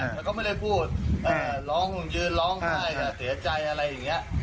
เขาก็ไม่ได้พูดอ่าร้องยืนร้องไห้อ่าเสียใจอะไรอย่างเงี้ย